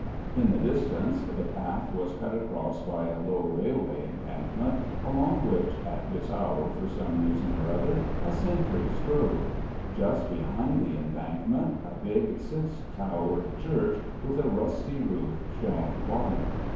In the distance the path was cut across by a low railway embankment, along which at this hour, for some reason or other, a sentry strode. Just behind the embankment a big, six towered church with a rusty roof shone white.